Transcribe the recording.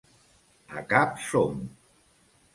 A cap som!